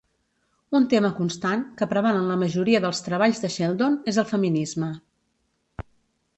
Un tema constant, que preval en la majoria dels treballs de Sheldon, és el feminisme.